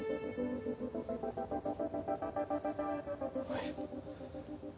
はい。